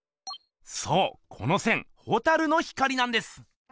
そうこの線蛍の光なんです！